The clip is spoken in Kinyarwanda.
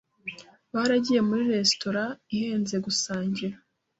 Baragiye muri resitora ihenze gusangira.